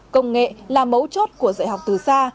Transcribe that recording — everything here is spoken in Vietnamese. công nghệ là mấu chốt của dạy học từ xa